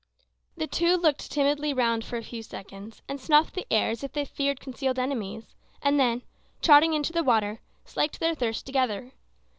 The two looked timidly round for a few seconds, and snuffed the air as if they feared concealed enemies, and then, trotting into the water, slaked their thirst together.